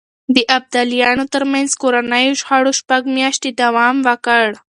د ابداليانو ترمنځ کورنيو جګړو شپږ مياشتې دوام وکړ.